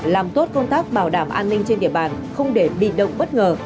làm tốt công tác bảo đảm an ninh trên địa bàn không để bị động bất ngờ